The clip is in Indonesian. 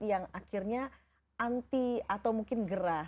yang akhirnya anti atau mungkin gerah